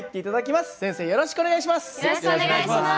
よろしくお願いします。